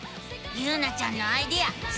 ゆうなちゃんのアイデアすごいね！